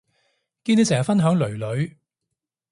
見你成日分享囡囡